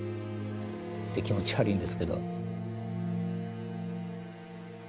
で気持ち悪いんですけど。